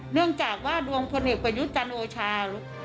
เนื่องจากว่าดวงพลเอกประยุทธ์จันทร์โอชา